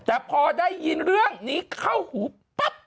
แต่พอได้ยินเรื่องนี้เข้าหูปั๊บ